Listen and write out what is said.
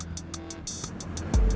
yang pernah lo dapetin